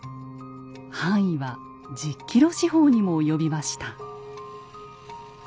範囲は１０ｋｍ四方にも及びました。